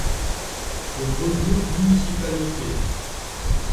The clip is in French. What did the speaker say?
Elle regroupe municipalités.